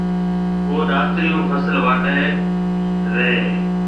او ڏاتري هون فصل واڍهيَ رئي هيَ۔